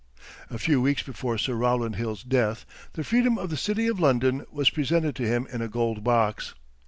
A few weeks before Sir Rowland Hill's death, the freedom of the city of London was presented to him in a gold box.